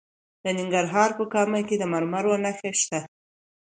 د ننګرهار په کامه کې د مرمرو نښې شته.